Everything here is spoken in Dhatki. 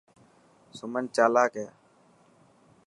سمن چالاڪ هي.